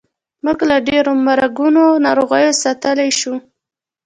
موږ له ډېرو مرګونو ناروغیو ساتلی شو.